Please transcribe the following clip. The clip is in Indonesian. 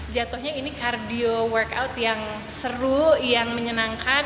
jatuhnya ini kardio workout yang seru yang menyenangkan